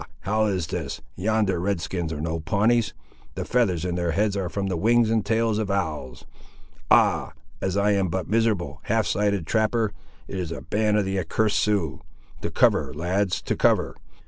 how is this! yonder Red skins are no Pawnees! The feathers in their heads are from the wings and tails of owls.—Ah! as I am but a miserable, half sighted, trapper, it is a band of the accursed Siouxes! To cover, lads, to cover.